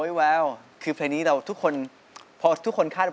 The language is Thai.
ฉันจะดูดขนาดนี้